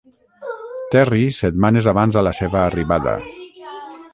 Terry setmanes abans a la seva arribada.